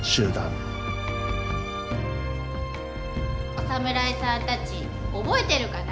お侍さんたち覚えてるかな？